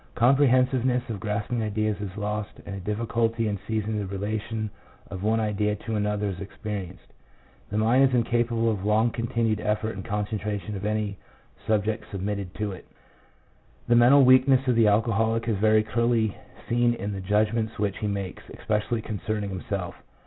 Comprehensiveness of grasping ideas is lost, and a difficulty in seizing the relation of one idea to another is experienced. The mind is incapable of long continued effort and concentration on any subject submitted to it. 2 The mental weakness of the alcoholic is very clearly seen in the judgments which he makes, especially concerning himself.